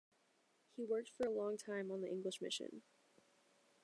He worked for a long time on the English mission.